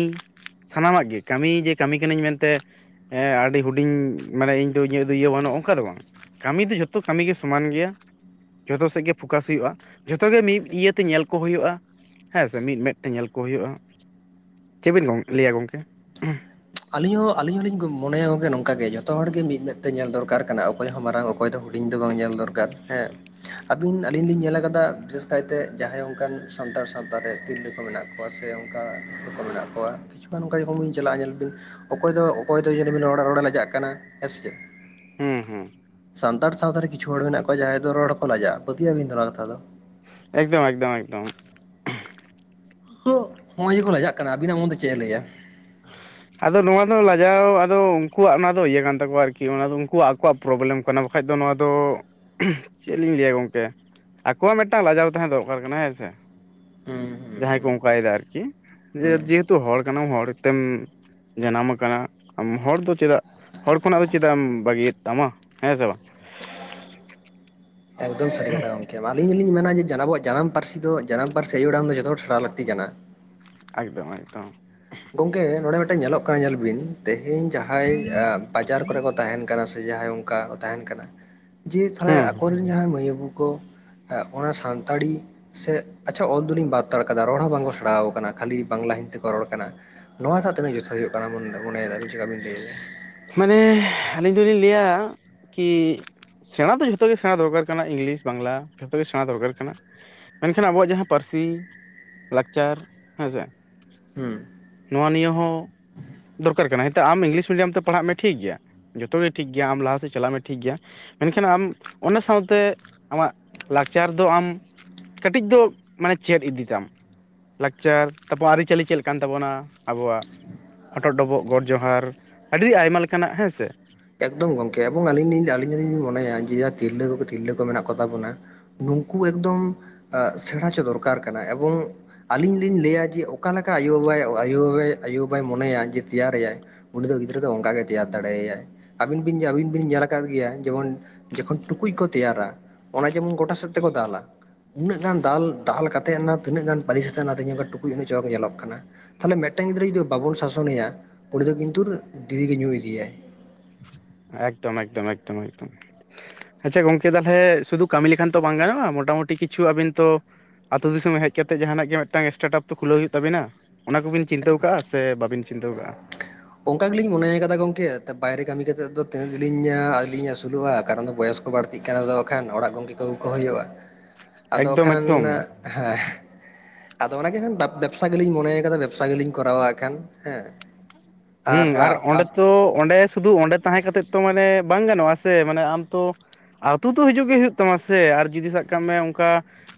ᱥᱟᱱᱟᱢᱟᱜ ᱜᱮ ᱠᱟᱹᱢᱤ ᱡᱮ ᱠᱟᱹᱢᱤ ᱠᱟᱹᱱᱟᱹᱧ ᱢᱮᱱᱛᱮᱼᱼ ᱦᱮᱸ ᱟᱹᱰᱤ ᱦᱩᱰᱤᱧ ᱢᱟᱱᱮ ᱤᱧ ᱫᱚ ᱤᱧᱟᱹᱜ ᱫᱚ ᱤᱭᱟᱹ ᱵᱟᱹᱱᱩᱜᱼᱟ ᱚᱱᱠᱟ ᱫᱚ ᱵᱟᱝᱟ ᱾ ᱠᱟᱹᱢᱤ ᱫᱚ ᱡᱚᱛᱚ ᱠᱟᱹᱢᱤᱜᱮ ᱥᱚᱢᱟᱱ ᱜᱮᱭᱟ ᱡᱷᱚᱛᱚ ᱥᱮᱫ ᱜᱮᱼᱼ ᱯᱷᱳᱠᱟᱥ ᱦᱩᱭᱩᱜᱼᱟ, ᱡᱷᱚᱛᱚ ᱜᱮ ᱢᱤᱫ ᱤᱭᱟᱹᱛᱮ ᱧᱮᱞ ᱠᱚ ᱦᱩᱭᱩᱜᱼᱟ ᱾ ᱦᱮᱸᱥᱮ ᱢᱤᱫ ᱢᱮᱫ ᱛᱮ ᱧᱮᱞ ᱠᱚ ᱦᱩᱭᱩᱜᱼᱟ ᱪᱮᱵᱤᱱ ᱜᱚᱝ ᱞᱟᱹᱭᱟ ᱜᱚᱝᱠᱮ ᱾ ᱟᱹᱞᱤᱧ ᱦᱚᱸ ᱟᱹᱞᱤᱧ ᱦᱚᱞᱤᱧ ᱢᱚᱱᱮᱭᱟᱜᱮ ᱱᱚᱝᱠᱟ ᱜᱮ ᱡᱚᱛᱚ ᱦᱚᱲ ᱜᱮ ᱢᱤᱫ ᱢᱮᱫ ᱛᱮ ᱧᱮᱞ ᱫᱚᱨᱠᱟᱨ ᱠᱟᱱᱟ ᱚᱠᱚᱭ ᱦᱚᱸ ᱢᱟᱨᱟᱝ ᱚᱠᱛᱼᱼ ᱚᱠᱚᱭ ᱫᱚ ᱦᱩᱰᱤᱧ ᱫᱚ ᱵᱟᱝ ᱧᱮᱞ ᱫᱚᱨᱠᱟᱨ ᱦᱮᱸ ᱾ ᱟᱹᱵᱤᱱ ᱟᱞᱤᱧ ᱞᱤᱧ ᱧᱮᱞ ᱞᱟᱠᱟᱫᱟ ᱵᱤᱥᱮᱥ ᱠᱟᱭᱛᱮ ᱡᱟᱦᱟᱸᱭ ᱚᱱᱠᱟᱱ ᱥᱟᱱᱛᱟᱲ ᱥᱟᱶᱛᱟᱨ ᱨᱮ ᱛᱤᱨᱞᱟᱹ ᱠᱚ ᱢᱮᱱᱟᱜ ᱠᱚᱣᱟᱼᱼ ᱠᱚᱣᱟ ᱥᱮ ᱚᱱᱠᱟ ᱠᱚ ᱢᱮᱱᱟᱜ ᱠᱚᱣᱟ ᱠᱤᱪᱷᱩᱜᱟᱱ ᱚᱱᱠᱟ ᱡᱚᱠᱷᱚᱱ ᱵᱤᱱ ᱪᱟᱞᱟᱜᱼᱟ ᱧᱮᱞ ᱵᱤᱱᱼᱼ ᱚᱠᱚᱭ ᱫᱚ ᱚᱠᱚᱭ ᱫᱚ ᱧᱮᱞᱮᱵᱤᱱ ᱦᱚᱲᱟᱜ ᱨᱚᱲᱮ ᱞᱟᱡᱟᱜ ᱠᱟᱱᱟ ᱦᱮᱸᱥᱮ ᱾ ᱦᱩᱸ ᱦᱩᱸ ᱾ ᱥᱟᱱᱛᱟᱲ ᱥᱟᱶᱛᱟ ᱨᱮ ᱠᱤᱪᱷᱩ ᱦᱚᱲ ᱢᱮᱱᱟᱜ ᱠᱚᱣᱟ ᱡᱟᱦᱟᱸᱭ ᱫᱚ ᱨᱚᱲ ᱠᱚ ᱞᱟᱡᱟᱜᱼᱟ, ᱯᱟᱹᱛᱭᱟᱹ ᱟᱵᱤᱱ ᱚᱱᱟ ᱠᱟᱛᱷᱟ ᱫᱚ ᱾ ᱮᱠᱫᱚᱢ ᱮᱠᱫᱚᱢ ᱮᱠᱫᱚᱢ ᱾ ᱛᱚ ᱱᱚᱭᱟ ᱡᱩᱫᱤ ᱜᱮᱠᱚ ᱞᱟᱡᱟᱜ ᱠᱟᱱᱟ ᱟᱵᱤᱱᱟᱜ ᱢᱚᱱᱮ ᱪᱮᱫ ᱮ ᱞᱟᱹᱭᱟ? ᱟᱫᱚ ᱱᱚᱣᱟ ᱫᱚ ᱞᱟᱡᱟᱣ ᱟᱫᱚ ᱩᱱᱠᱩᱣᱟᱜ ᱚᱱᱟ ᱫᱚ ᱤᱭᱟᱹ ᱠᱟᱱ ᱛᱟᱠᱚᱣᱟ ᱟᱨᱠᱤ ᱚᱱᱟ ᱩᱱᱠᱩ ᱟᱠᱚᱣᱟᱜᱼᱼ ᱯᱨᱚᱵᱞᱮᱢ ᱠᱟᱱᱟ, ᱵᱟᱠᱷᱟᱡ ᱫᱚ ᱱᱚᱣᱟ ᱫᱚ ᱪᱮᱫ ᱞᱤᱧ ᱞᱟᱹᱭᱟ ᱜᱚᱢᱠᱮ ᱾ ᱟᱠᱚᱣᱟᱜ ᱢᱤᱫᱴᱟᱝ ᱞᱟᱡᱟᱣ ᱛᱟᱦᱮᱸ ᱫᱚᱨᱠᱟᱨ ᱠᱟᱱᱟ ᱦᱮᱸ ᱥᱮ ᱦᱩᱸ ᱾ ᱦᱩᱸ ᱡᱟᱦᱟᱸᱭ ᱠᱚ ᱦᱩᱸ ᱦᱩᱸ ᱚᱱᱠᱟᱭᱮᱫᱟ ᱟᱨᱠᱤ ᱡᱮ ᱦᱩᱸ ᱡᱮᱦᱮᱛᱩ ᱦᱚᱲ ᱠᱟᱱᱟᱢ ᱦᱚᱲ ᱛᱮᱢᱼᱼ ᱡᱟᱱᱟᱢ ᱟᱠᱟᱱᱟ ᱟᱢ ᱦᱚᱲ ᱫᱚ ᱪᱮᱫᱟᱜ ᱦᱚᱲ ᱠᱷᱚᱱᱟᱜ ᱫᱚ ᱪᱮᱫᱟᱜ ᱮᱢ ᱵᱟᱹᱜᱤᱭᱮᱫ ᱛᱟᱢᱟ ᱦᱮᱸ ᱥᱮ ᱵᱟᱝ ᱾ ᱮᱠᱫᱚᱢ ᱥᱟᱹᱨᱤ ᱠᱟᱛᱷᱟ ᱜᱚᱝᱠᱮ, ᱟᱞᱤᱧ ᱫᱚᱞᱤᱧ ᱢᱮᱱᱟ ᱡᱮᱼᱼ ᱟᱵᱚᱣᱟᱜ ᱡᱟᱱᱟᱢ ᱯᱟᱹᱨᱥᱤ ᱫᱚ ᱡᱟᱱᱟᱢ ᱯᱟᱹᱨᱥᱤ ᱟᱭᱳ ᱟᱲᱟᱝ ᱫᱚ ᱡᱚᱛᱚ ᱦᱚᱲ ᱥᱮᱬᱟ ᱞᱟᱹᱠᱛᱤ ᱠᱟᱱᱟ ᱾ ᱮᱠᱫᱚᱢ ᱮᱠᱫᱚᱢ ᱾ ᱜᱚᱝᱠᱮ ᱱᱚᱰᱮ ᱢᱤᱫᱴᱮᱱ ᱧᱮᱞᱚᱜ ᱠᱟᱱᱟ ᱧᱮᱞ ᱵᱤᱱ ᱛᱮᱦᱮᱧ ᱡᱟᱦᱟᱸᱭ ᱵᱟᱡᱟᱨ ᱠᱚᱨᱮ ᱠᱚ ᱛᱟᱦᱮᱱᱼᱼ ᱠᱟᱱᱟ ᱥᱮ ᱡᱟᱦᱟᱸᱭ ᱚᱱᱠᱟ ᱛᱟᱦᱮᱱ ᱠᱟᱱᱟ ᱡᱮ ᱛᱷᱚᱲᱟ ᱦᱮᱸ ᱟᱠᱚᱨᱮᱱ ᱡᱟᱦᱟᱸᱭ ᱢᱟᱹᱭ ᱵᱟᱹᱵᱩ ᱠᱚᱼᱼ ᱚᱱᱟ ᱥᱟᱱᱛᱟᱲᱤᱼᱼ ᱥᱮ ᱟᱪᱪᱷᱟ ᱚᱞ ᱫᱚᱞᱤᱧ ᱵᱟᱫᱽᱛᱟᱲ ᱠᱟᱫᱟ ᱨᱚᱲ ᱦᱚᱸ ᱵᱟᱝᱠᱚ ᱥᱮᱬᱟ ᱠᱟᱱᱟ, ᱠᱷᱟᱹᱞᱤ ᱵᱟᱝᱞᱟ ᱦᱤᱱᱫᱤ ᱛᱮᱠᱚ ᱨᱚᱲ ᱠᱟᱱᱟ ᱾ ᱱᱚᱣᱟ ᱥᱟᱶ ᱛᱤᱱᱟᱹᱜ ᱡᱚᱛᱷᱟᱛ ᱦᱩᱭᱩᱜ ᱠᱟᱱᱟ ᱵᱚᱱ ᱢᱚᱱᱮᱭᱟ ᱟᱵᱤᱱ ᱪᱮᱠᱟ ᱵᱤᱱ ᱞᱟᱹᱭᱮᱫᱟ ᱾ ᱢᱟᱱᱮ ᱟᱹᱞᱤᱧ ᱫᱚᱞᱤᱧ ᱞᱟᱹᱭᱟ ᱠᱤᱼᱼ ᱥᱮᱬᱟ ᱫᱚ ᱡᱷᱚᱛᱚ ᱜᱮ ᱥᱮᱬᱟ ᱫᱚᱨᱠᱟᱨ ᱠᱟᱱᱟ ᱤᱝᱞᱤᱥ ᱵᱟᱝᱞᱟ ᱡᱷᱚᱛᱚᱜ ᱜᱮ ᱥᱮᱬᱟ ᱫᱚᱨᱠᱟᱨ ᱠᱟᱱᱟ ᱾ ᱢᱮᱱᱠᱷᱟᱱ ᱟᱵᱚᱣᱟᱜ ᱡᱟᱦᱟᱸ ᱯᱟᱹᱨᱥᱤ ᱞᱟᱠᱪᱟᱨ ᱦᱮᱸ ᱥᱮᱼᱼ ᱦᱩᱸ ᱱᱚᱣᱟ ᱱᱤᱭᱟᱹ ᱦᱚᱸ ᱫᱚᱨᱠᱟᱨ ᱠᱟᱱᱟ ᱦᱮᱸ ᱾ ᱟᱢ ᱤᱝᱞᱤᱥ ᱢᱤᱤᱭᱟᱢ ᱛᱮ ᱯᱟᱲᱦᱟᱜ ᱢᱮ ᱴᱷᱤᱠ ᱜᱮᱭᱟ, ᱡᱚᱛᱚ ᱜᱮ ᱴᱷᱤᱠ ᱜᱮᱭᱟ ᱟᱢ ᱞᱟᱦᱟ ᱥᱮᱫ ᱪᱟᱞᱟᱜ ᱢᱮ ᱴᱷᱤᱠ ᱜᱮᱭᱟᱼᱼ ᱢᱮᱱᱠᱷᱟᱱ ᱟᱢ ᱚᱱᱟ ᱥᱟᱶᱛᱮ ᱟᱢᱟᱜ ᱞᱟᱠᱪᱟᱨ ᱫᱚ ᱟᱢᱼᱼ ᱠᱟᱹᱴᱤᱡ ᱫᱚ ᱢᱟᱱᱮ ᱪᱮᱫ ᱤᱫᱤ ᱛᱟᱢ ᱾ ᱞᱟᱠᱪᱟᱨ, ᱛᱟᱯᱚᱨ ᱟᱹᱨᱤᱪᱟᱹᱞᱤ ᱪᱮᱫ ᱞᱮᱠᱟᱱ ᱠᱟᱱ ᱛᱟᱵᱚᱱᱟ ᱟᱵᱚᱣᱟᱜ ᱦᱚᱴᱚᱜ ᱰᱚᱵᱚᱜ ᱜᱚᱰᱼᱼ ᱡᱚᱦᱟᱨ ᱟᱹᱰᱤ ᱟᱭᱢᱟ ᱞᱮᱠᱟᱱᱟᱜ ᱦᱮᱸ ᱥᱮ ᱾ ᱮᱠᱫᱚᱢ ᱜᱚᱝᱠᱮ ᱮᱵᱚᱝ ᱟᱞᱤᱧ ᱟᱞᱤᱧ ᱫᱚᱞᱤᱧ ᱢᱚᱱᱮᱭᱟ ᱡᱮ ᱛᱤᱨᱞᱟᱹ ᱛᱤᱨᱞᱟᱹ ᱠᱚ ᱢᱮᱱᱟᱜ ᱠᱚ ᱛᱟᱵᱚᱱᱟᱼᱼ ᱱᱩᱠᱩ ᱮᱠᱫᱚᱢ ᱥᱮᱬᱟ ᱪᱚ ᱫᱚᱨᱠᱟᱨ ᱠᱟᱱᱟ ᱾ ᱮᱵᱚᱝᱼᱼ ᱟᱞᱤᱧ ᱞᱤᱧ ᱞᱟᱹᱭᱟ ᱡᱮ ᱚᱠᱟ ᱞᱮᱠᱟ ᱟᱭᱳ ᱵᱟᱵᱟᱭ ᱟᱭᱳ ᱟᱭᱳ ᱵᱟᱵᱟᱭ ᱢᱚᱱᱮᱭᱟ ᱡᱮ ᱛᱮᱭᱟᱨᱮᱟᱭᱼᱼ ᱩᱱᱤ ᱫᱚ ᱜᱤᱫᱽᱨᱟᱹ ᱫᱚ ᱚᱱᱠᱟ ᱜᱮᱭ ᱛᱮᱭᱟᱨ ᱫᱟᱲᱮᱭᱟᱭᱟ ᱾ ᱟᱹᱵᱤᱱ ᱵᱤᱱ ᱟᱹᱵᱤᱱ ᱵᱤᱱ ᱧᱮᱞ ᱟᱠᱟᱫ ᱜᱮᱭᱟ ᱡᱮᱢᱚᱱ ᱡᱚᱠᱷᱚᱱ ᱴᱩᱠᱩᱡ ᱠᱚ ᱛᱮᱭᱟᱨᱟᱼᱼ ᱚᱱᱟ ᱡᱮᱢᱚᱱ ᱜᱚᱴᱟ ᱥᱮᱫ ᱛᱮᱠᱚ ᱫᱟᱞᱟ ᱾ ᱩᱱᱟᱹᱜ ᱜᱟᱱ ᱫᱟᱞ ᱫᱟᱞ ᱠᱟ ᱠᱟᱛᱮᱫ ᱚᱱᱟ ᱛᱤᱱᱟᱹᱜ ᱜᱟᱱ ᱵᱟᱨᱤᱥ ᱥᱟᱛᱮᱜ ᱚᱱᱟᱛᱮ ᱧᱚᱜ ᱴᱩᱠᱩᱡ ᱩᱱᱟᱹᱜ ᱪᱚᱨᱚᱠ ᱧᱮᱞᱚᱜ ᱠᱟᱱᱟ ᱾ ᱛᱟᱦᱚᱞᱮ ᱢᱤᱫᱴᱟᱝ ᱜᱤᱫᱽᱨᱟᱹ ᱡᱩᱫᱤ ᱵᱟᱵᱚᱱ ᱥᱟᱥᱚᱱᱮᱭᱟ, ᱩᱱᱤᱫ ᱫᱚ ᱠᱤᱱᱛᱩ ᱰᱮᱞᱤ ᱜᱮ ᱧᱩᱭ ᱤᱫᱤᱭᱟ᱾ ᱮᱠᱫᱚᱢ, ᱮᱠᱫᱚᱢ, ᱮᱠᱫᱚᱢ, ᱮᱠᱫᱚᱢ᱾ ᱟᱪᱪᱷᱟ ᱜᱚᱝᱠᱮ, ᱛᱟᱦᱚᱞᱮ ᱥᱩᱫᱷᱩ ᱠᱟᱹᱢᱤ ᱞᱮᱠᱷᱟᱱ ᱛᱚ ᱵᱟᱝ ᱜᱟᱱᱚᱜᱼᱟ᱾ ᱢᱚᱴᱟᱢᱩᱴᱤ ᱠᱤᱪᱷᱩ ᱟᱵᱤᱱ ᱛᱚ ᱟᱹᱛᱩ ᱫᱤᱥᱚᱢ ᱦᱮᱡ ᱠᱟᱛᱮ ᱡᱟᱦᱟᱱᱟᱜ ᱜᱮ ᱢᱤᱫᱴᱟᱝ ᱥᱴᱟᱴᱯᱚ ᱠᱷᱩᱞᱟᱹᱣ ᱦᱩᱭᱩᱜ ᱛᱟᱵᱤᱱᱟ? ᱚᱱᱟ ᱠᱚᱵᱤᱱ ᱪᱤᱱᱛᱟᱹᱣ ᱠᱟᱜᱼᱟ ᱥᱮ ᱵᱟᱹᱵᱤᱱ ᱪᱤᱱᱛᱟᱹᱣ ᱠᱟᱜᱼᱟ᱾ ᱚᱱᱠᱟ ᱜᱮᱞᱤᱧ ᱢᱚᱱᱮᱭ ᱟᱠᱟᱫᱟ, ᱜᱚᱝᱠᱮ ᱵᱟᱭᱨᱮ ᱠᱟᱹᱢᱤ ᱠᱟᱛᱮᱫ ᱫᱚ ᱛᱤᱱᱟᱹᱜ ᱜᱮᱧ ᱟᱹᱞᱤᱧ ᱟᱹᱥᱩᱞᱚᱜᱼᱟ᱾ ᱠᱟᱨᱚᱱ ᱵᱚᱭᱚᱥ ᱵᱟᱹᱲᱛᱤᱜ ᱠᱟᱱᱟ᱾ ᱟᱫᱚ ᱵᱟᱠᱷᱟᱱ ᱚᱲᱟᱜ ᱜᱚᱝᱠᱮ ᱠᱚᱜᱮ ᱠᱚ ᱦᱩᱭᱩᱜᱼᱟ᱾ ᱟᱫᱚ ᱮᱠᱫᱚᱢ ᱵᱟᱠᱷᱟᱱ ᱮᱠᱫᱚᱢ ᱦᱮᱸ᱾ ᱟᱫᱚ ᱚᱱᱟᱜᱮ ᱦᱟᱱ ᱵᱮᱵᱥᱟ ᱜᱮᱞᱤᱧ ᱢᱚᱱᱮᱭ ᱠᱟᱫᱟ᱾ ᱵᱮᱵᱽᱥᱟ ᱜᱮᱞᱤᱧ ᱠᱚᱨᱟᱣᱟᱜ ᱠᱷᱟᱱ ᱦᱮᱸ᱾ ᱦᱩᱸ ᱟᱨ ᱚᱸᱰᱮ ᱛᱚ, ᱚᱸᱰᱮ ᱥᱩᱫᱩ, ᱚᱸᱰᱮ ᱛᱟᱦᱮᱸ ᱠᱟᱛᱮ ᱛᱚ, ᱢᱟᱱᱮ ᱵᱟᱝ ᱜᱟᱱᱚᱜᱼᱟ ᱥᱮ ᱢᱟᱱᱮ ᱟᱢ ᱛᱚ ᱟᱹᱛᱩ ᱛᱚ ᱦᱤᱡᱩᱜ ᱜᱮ ᱦᱩᱭᱩᱜ ᱛᱟᱢᱟ ᱥᱮ ᱟᱨ ᱡᱩᱫᱤ ᱥᱟᱵ ᱠᱟᱜ ᱢᱮ ᱚᱱᱠᱟ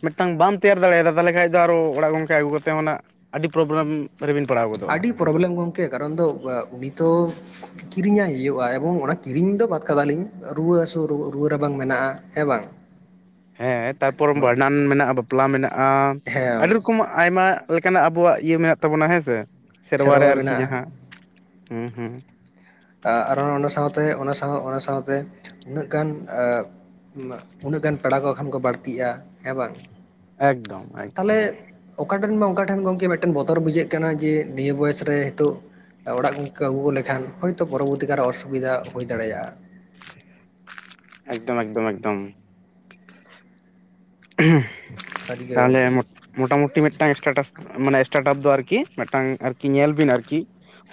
ᱢᱤᱫᱴᱟᱝ ᱵᱟᱢ ᱛᱮᱭᱟᱨ ᱫᱟᱲᱮᱭᱟᱫᱟ ᱛᱟᱦᱚᱞᱮ ᱠᱷᱟᱱ ᱫᱚ ᱟᱨᱚ ᱚᱲᱟᱜ ᱜᱚᱢᱠᱮ ᱟᱹᱜᱩ ᱠᱟᱛᱮᱱᱟᱜ ᱟᱹᱰᱤ ᱯᱨᱚᱵᱞᱮᱢ ᱚᱠᱟ ᱨᱮᱵᱤᱱ ᱯᱟᱲᱦᱟᱣ ᱜᱚᱫᱚᱜᱼᱟ? ᱟᱹᱰᱤ ᱯᱨᱚᱵᱞᱮᱢ ᱜᱚᱝᱠᱮ ᱠᱟᱨᱚᱱ ᱫᱚ ᱩᱱᱤ ᱛᱚ ᱠᱤᱨᱤᱧᱟᱭ ᱦᱩᱭᱩᱜᱼᱟ᱾ ᱮᱵᱚᱝ ᱚᱱᱟ ᱠᱤᱨᱤᱧ ᱫᱚ ᱵᱟᱫᱽ ᱠᱟᱫᱟᱞᱤᱧ ᱨᱩᱣᱟᱹ ᱦᱟᱹᱥᱩ ᱨᱩᱣᱟᱹ ᱨᱟᱵᱟᱝ ᱢᱮᱱᱟᱜᱼᱟ, ᱦᱮᱸ ᱵᱟᱝ? ᱦᱮᱸ ᱛᱟᱨᱯᱚᱨ ᱵᱷᱟᱸᱰᱟᱱ ᱢᱮᱱᱟᱜᱼᱟ, ᱵᱟᱯᱞᱟ ᱢᱮᱱᱟᱜᱼᱟ, ᱟᱹᱰᱤ ᱦᱮᱸ ᱨᱚᱠᱚᱢ ᱟᱭᱢᱟ ᱞᱮᱠᱟᱱᱟᱜ ᱟᱵᱚᱣᱟᱜ ᱤᱭᱟᱹ ᱢᱮᱱᱟᱜ ᱛᱟᱵᱚᱱᱟ ᱦᱮᱸ ᱥᱮ? ᱥᱮᱨᱣᱟᱨ ᱨᱮ ᱥᱮᱨᱣᱟ ᱟᱨᱠᱤ ᱢᱮᱱᱟᱜᱼᱟ ᱡᱟᱦᱟᱸ ᱦᱮᱸ ᱦᱩᱸ᱾ ᱟᱨ ᱚᱱᱟ ᱥᱟᱶᱛᱮ, ᱚᱱᱟ ᱥᱟᱶ, ᱚᱱᱟ ᱥᱟᱶᱛᱮ ᱩᱱᱟᱹᱜ ᱜᱟᱱ ᱮ ᱩᱱᱟᱹᱜ ᱜᱟᱱ ᱯᱮᱲᱟ ᱠᱚ ᱠᱷᱟᱱ ᱠᱚ ᱵᱟᱹᱲᱛᱤᱜᱼᱟ ᱦᱮᱸ ᱵᱟᱝ? ᱮᱠᱫᱚᱢ ᱮᱠᱫᱚᱢ᱾ ᱛᱟᱦᱚᱞᱮ ᱚᱠᱟᱴᱷᱮᱱ ᱢᱟ ᱚᱠᱟ ᱴᱷᱮᱱ ᱜᱚᱢᱠᱮ ᱢᱤᱫᱴᱮᱱ ᱵᱚᱛᱚᱨ ᱵᱩᱡᱷᱟᱹᱜ ᱠᱟᱱᱟ, ᱡᱮ ᱱᱤᱭᱟᱹ ᱵᱚᱭᱮᱥ ᱨᱮ ᱱᱤᱛᱚᱜ ᱚᱲᱟᱜ ᱜᱚᱢᱠᱮ ᱟᱹᱜᱩ ᱞᱮᱠᱷᱟᱱ, ᱦᱚᱭᱛᱚ ᱯᱚᱨᱚᱵᱚᱨᱛᱤ ᱠᱟᱞᱨᱮ ᱚᱥᱩᱵᱤᱫᱷᱟ ᱦᱩᱭ ᱫᱟᱲᱮᱭᱟᱜᱼᱟ᱾ ᱮᱠᱫᱚᱢ, ᱮᱠᱫᱚᱢ, ᱮᱠᱫᱚᱢ᱾ ᱥᱟᱹᱨᱤᱜᱮ ᱛᱟᱦᱚᱞᱮ ᱜᱚᱢᱠᱮ ᱮᱢᱚᱱ [UNINTELLIGIBLE] ᱢᱚᱴᱟ ᱢᱩᱴᱤ ᱢᱤᱫᱴᱟᱝ ᱥᱴᱟᱴᱟᱥ ᱢᱟᱱᱮ ᱥᱴᱟᱴᱟᱯ ᱫᱚ ᱟᱨᱠᱤ ᱢᱤᱫᱴᱟᱝ ᱟᱨᱠᱤ ᱧᱮᱞ ᱵᱤᱱ ᱟᱨᱠᱤ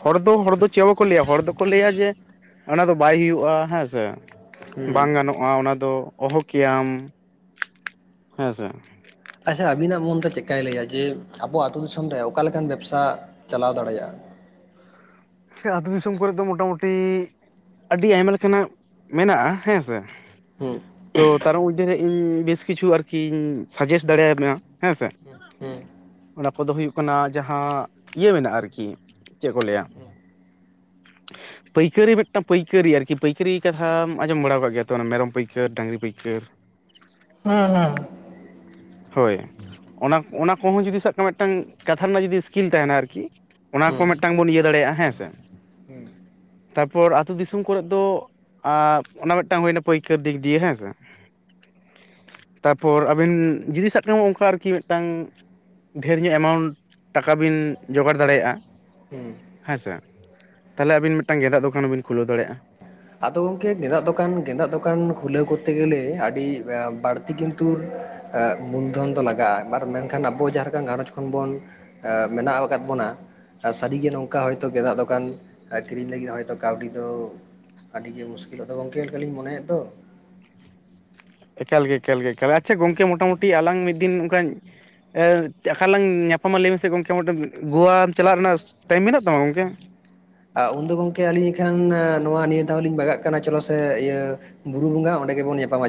ᱦᱚᱲ ᱫᱚ ᱦᱚᱲ ᱫᱚ ᱪᱮᱫ ᱵᱟᱠᱚ ᱞᱟᱹᱭᱟ᱾ ᱦᱚᱲ ᱫᱚᱠᱚ ᱞᱟᱹᱭᱟ ᱡᱮ ᱚᱱᱟ ᱫᱚ ᱵᱟᱭ ᱦᱩᱭᱩᱜᱼᱟ, ᱦᱮᱸ ᱥᱮ? ᱵᱟᱝ ᱦᱮᱸ ᱜᱟᱱᱚᱜᱼᱟ ᱚᱱᱟ ᱫᱚ᱾ ᱚᱦᱚ ᱠᱮᱭᱟᱢ᱾ ᱦᱮᱸᱥᱮ? ᱟᱪᱪᱷᱟ ᱟᱹᱵᱤᱱᱟᱜ ᱢᱚᱱᱛᱮ ᱪᱤᱠᱟᱭ ᱞᱟᱹᱭᱟ? ᱡᱮ ᱟᱵᱚ ᱟᱹᱛᱩ ᱫᱤᱥᱚᱢ ᱨᱮ ᱚᱠᱟ ᱞᱮᱠᱟᱱ ᱵᱮᱵᱽᱥᱟ ᱪᱟᱞᱟᱣ ᱫᱟᱲᱮᱭᱟᱜᱼᱟ? ᱦᱮᱸ ᱟᱹᱛᱩ ᱫᱤᱥᱚᱢ ᱠᱚᱨᱮᱫ ᱫᱚ ᱢᱚᱴᱟᱢᱩᱴᱤ ᱟᱹᱰᱤ ᱟᱭᱢᱟ ᱞᱮᱠᱟ ᱱᱟᱜ ᱢᱮᱱᱟᱜᱼᱟ᱿ ᱦᱮᱸ ᱥᱮ? ᱦᱮᱸ᱾ ᱛᱚ ᱛᱟᱨ ᱢᱚᱫᱽᱫᱷᱮᱨᱮ ᱤᱧ ᱵᱮᱥ ᱠᱤᱪᱷᱩ ᱟᱨᱠᱤᱧ ᱥᱟᱡᱮᱥᱴ ᱫᱟᱲᱮᱭᱟ ᱢᱮᱭᱟ, ᱦᱮᱸᱥᱮ? ᱚᱸ ᱚᱱᱟ ᱠᱚᱫᱚ ᱦᱩᱭᱩᱜ ᱠᱟᱱᱟ ᱡᱟᱦᱟᱸ ᱤᱭᱟᱹ ᱢᱮᱱᱟᱜᱼᱟ, ᱟᱨᱠᱤ ᱪᱮᱫ ᱠᱚ ᱞᱟᱹᱭᱟ? ᱦᱮ [UNINTELLIGIBLE] ᱯᱟᱹᱭᱠᱟᱹᱨᱤ ᱢᱤᱫᱴᱟᱝ ᱯᱟᱹᱭᱠᱟᱹᱨᱤ ᱟᱨᱠᱤ ᱯᱟᱹᱭᱠᱟᱹᱨᱤ ᱠᱟᱛᱷᱟᱢ ᱟᱸᱡᱚᱢ ᱵᱟᱲᱟᱣ ᱟᱠᱟᱫ ᱜᱮᱭᱟ ᱛᱚ᱾ ᱢᱮᱨᱚᱢ ᱯᱟᱹᱭᱠᱟᱹᱨ ᱰᱟᱹᱜᱽᱨᱤ ᱯᱟᱹᱭᱟᱹᱨ ᱦᱮᱸ ᱦᱮᱸ᱾ ᱦᱳᱭ ᱚᱱᱟ ᱚᱱᱟ ᱠᱚᱦᱚᱸ ᱡᱩᱫᱤ ᱥᱟᱵ ᱠᱟᱜ ᱢᱮ ᱢᱤᱫᱴᱟᱝ ᱠᱟᱛᱷᱟ ᱨᱮᱱᱟᱜ ᱡᱩᱫᱤ ᱥᱤᱥᱠᱤᱞ ᱛᱟᱦᱮᱱᱟ᱾ ᱟᱨᱠᱤ ᱚᱱᱟ ᱠᱚ ᱦᱮᱸ ᱢᱤᱫᱴᱟᱝ ᱵᱚᱱ ᱤᱭᱟᱹ ᱫᱟᱲᱮᱭᱟᱜᱼᱟ ᱦᱮᱸ ᱥᱮ? ᱦᱮᱸ ᱛᱟᱯᱚᱨ ᱟᱹᱛᱩ ᱫᱤᱥᱚᱢ ᱠᱚᱨᱮ ᱫᱚ ᱟᱨ ᱚᱱᱟ ᱢᱤᱫᱴᱟᱝ ᱦᱩᱭᱱᱟ ᱯᱟᱹᱭᱠᱟᱹᱨ ᱫᱤᱠ ᱫᱤᱭᱮ ᱦᱮᱸ ᱥᱮ ᱛᱟᱯᱚᱨ ᱟᱵᱤᱱ ᱡᱩᱫᱤ ᱥᱟᱵ ᱠᱟᱜ ᱢᱮ ᱚᱱᱠᱟ ᱟᱨᱠᱤ ᱢᱤᱫᱴᱟᱝ ᱰᱷᱮᱨ ᱧᱚᱜ ᱮᱢᱟᱣᱩᱱᱴ ᱴᱟᱠᱟ ᱵᱤᱱ ᱡᱚᱜᱟᱲ ᱫᱟᱲᱮᱭᱟᱜᱼᱟ ᱦᱩᱸ ᱦᱮᱸ ᱥᱮ ᱛᱟᱦᱚᱞᱮ ᱟᱹᱵᱤᱱ ᱢᱤᱫᱴᱟᱝ ᱜᱮᱫᱟᱜ ᱫᱚᱠᱟᱱ ᱦᱚᱸ ᱵᱤᱱ ᱠᱷᱩᱞᱟᱹᱣ ᱫᱟᱲᱮᱭᱟᱜᱼᱟ ᱟᱫᱚ ᱜᱚᱝᱠᱮ ᱜᱮᱫᱟᱜ ᱫᱚᱠᱟᱱ ᱜᱮᱫᱟᱜ ᱫᱚᱠᱟᱱ ᱠᱷᱩᱞᱟᱹᱣ ᱠᱚᱨᱛᱮ ᱜᱮᱞᱮ ᱟᱹᱰᱤ ᱵᱟᱹᱲᱛᱤ ᱠᱤᱱᱛᱩ ᱮᱫ ᱢᱩᱞᱫᱷᱚᱱ ᱫᱚ ᱞᱟᱜᱟᱜᱼᱟ ᱢᱮᱱᱠᱷᱟᱱ ᱟᱵᱚ ᱡᱟᱦᱟᱸ ᱜᱷᱟᱸᱚᱧᱡᱽ ᱠᱷᱚᱱ ᱵᱚᱱ ᱮ ᱢᱮᱱᱟᱜ ᱟᱠᱟᱫ ᱵᱚᱱᱟ ᱥᱟᱹᱨᱤᱜᱮ ᱱᱚᱝᱠᱟ ᱦᱚᱭᱛᱚ ᱜᱮᱫᱟᱜ ᱫᱚᱠᱟᱱ ᱠᱤᱨᱤᱧ ᱞᱟᱹᱜᱤᱫ ᱦᱚᱭᱛᱚ ᱠᱟᱹᱣᱰᱤ ᱫᱚ ᱟᱹᱰᱤ ᱜᱮ ᱢᱩᱥᱠᱤᱞᱚᱜ ᱫᱚ ᱜᱚᱝᱠᱮ ᱞᱮᱠᱟᱞᱤᱧ ᱢᱚᱱᱮᱭᱮᱫ ᱫᱚ ᱮᱠᱟᱞ ᱜᱮ ᱮᱠᱟᱞ ᱜᱮ ᱮᱠᱟᱞ ᱟᱪᱪᱷᱟ ᱜᱚᱝᱠᱮ ᱢᱚᱴᱟᱢᱩᱴᱤ ᱟᱞᱟᱝ ᱢᱤᱫ ᱫᱤᱱ ᱚᱱᱠᱟ ᱮ ᱟᱠᱟ ᱞᱟᱝ ᱧᱟᱯᱟᱢᱟ ᱞᱟᱹᱭ ᱢᱮᱥᱮ ᱜᱚᱝᱠᱮ ᱢᱚᱴᱮᱱ ᱜᱳᱣᱟ ᱪᱟᱞᱟᱜ ᱨᱮᱱᱟᱜ ᱴᱟᱭᱤᱢ ᱢᱮᱱᱟᱜ ᱛᱟᱢᱟ ᱜᱚᱝᱠᱮ? ᱟ ᱩᱱᱫᱚ ᱜᱚᱝᱠᱮ ᱟᱹᱞᱤᱧ ᱮᱱᱠᱷᱟᱱ ᱱᱚᱣᱟ ᱱᱤᱭᱟᱹ ᱫᱷᱟᱣ ᱞᱤᱧ ᱵᱟᱜᱟᱜ ᱠᱟᱱᱟ ᱪᱚᱞᱚ ᱥᱮ ᱤᱭᱟᱹ ᱵᱩᱨᱩ ᱵᱚᱸᱜᱟ ᱚᱸᱰᱮ ᱜᱮᱵᱚᱱ ᱧᱟᱯᱟᱢᱟ